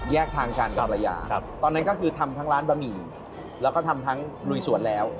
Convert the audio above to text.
แยกทางกันกับภรรยาตอนนั้นก็คือทำทั้งร้านบะหมี่แล้วก็ทำทั้งลุยสวนแล้ว